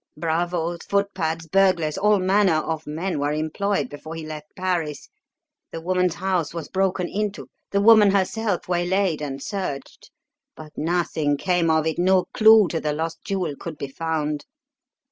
Bravos, footpads, burglars all manner of men were employed before he left Paris. The woman's house was broken into, the woman herself waylaid and searched, but nothing came of it no clue to the lost jewel could be found."